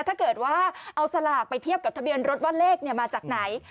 ถ้าเกิดว่าเอาสลากไปเทียบกับทะเบียนรถว่าเลขมาจากไหน